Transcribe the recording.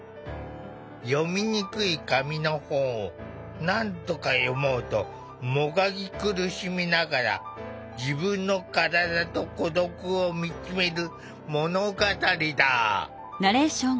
読みにくい紙の本をなんとか読もうともがき苦しみながら自分の身体と孤独を見つめる物語だ。